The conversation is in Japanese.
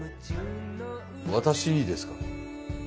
私にですか？